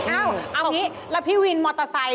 เอาอย่างนี้แล้วพี่วินมอเตอร์ไซค